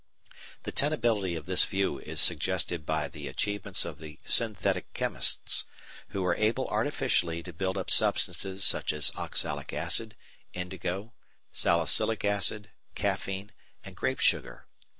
The tenability of this view is suggested by the achievements of the synthetic chemists, who are able artificially to build up substances such as oxalic acid, indigo, salicylic acid, caffeine, and grape sugar.